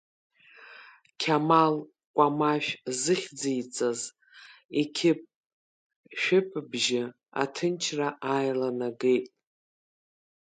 Қьамал Кәамашә зыхьӡиҵаз иқьып-шәыпбжьы аҭынчра ааиланагеит.